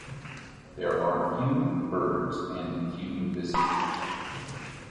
There are few birds, and few visitors.